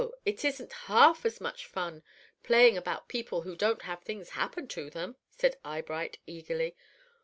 It isn't half as much fun playing about people who don't have things happen to them," said Eyebright, eagerly.